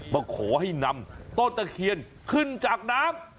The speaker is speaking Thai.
มาขอให้นำต้นตะเคียนขึ้นจากน้ำ